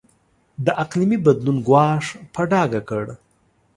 د اقلیمي بدلون ګواښ په ډاګه کړ.